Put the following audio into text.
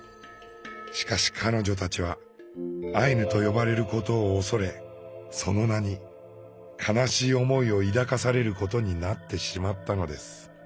しかし彼女たちはアイヌと呼ばれることを恐れその名に悲しい思いを抱かされることになってしまったのです。